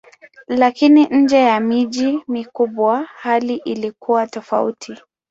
Lakini nje ya miji mikubwa hali ilikuwa tofauti.